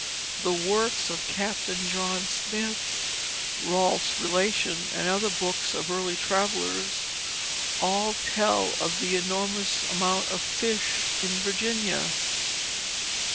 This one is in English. The works of Captain John Smith, Rolfe's Relation, and other books of early travellers, all tell of the enormous amount of fish in Virginia.